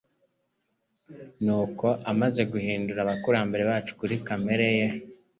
Nuko amaze guhindura abakurambere bacu kuri kamere ye,